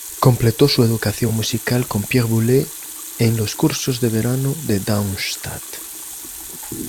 Completó su educación musical con Pierre Boulez en los Cursos de Verano de Darmstadt.